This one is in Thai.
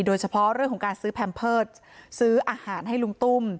โดยเฉพาะเรื่องของการซื้อแพมเพิร์ตซื้ออาหารให้ลุงตุ้ม